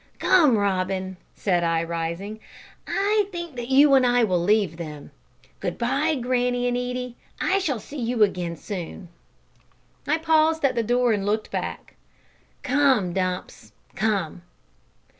"Come, Robin," said I, rising, "I think that you and I will leave them Good bye, granny and Edie; I shall soon see you again." I paused at the door and looked back. "Come, Dumps, come."